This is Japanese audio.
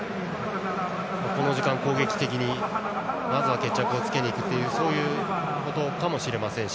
この時間、攻撃的にまずは決着を付けに行くとそういうことかもしれませんし。